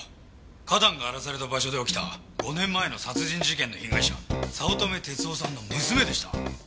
花壇が荒らされた場所で起きた５年前の殺人事件の被害者早乙女哲夫さんの娘でした。